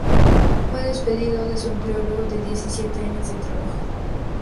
Fue despedido de su empleo luego de diecisiete años de trabajo.